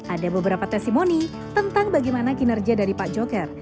ada beberapa testimoni tentang bagaimana kinerja dari pak joker